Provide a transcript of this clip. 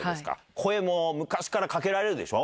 声も昔からかけられるでしょう？